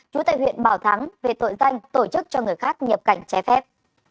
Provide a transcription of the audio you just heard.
chú tại huyện bảo thắng về tội danh tổ chức cho người khác nhập cảnh trái phép